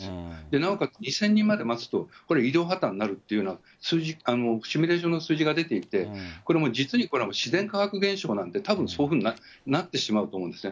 なおかつ２０００人まで待つとこれ、医療破綻になるというのは、数字、シミュレーションの数字が出ていて、これも実にこれは自然科学現象なんで、たぶんそういうふうになってしまうと思うんですね。